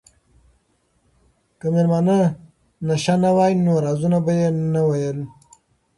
که مېلمانه نشه نه وای نو رازونه به یې نه ویل.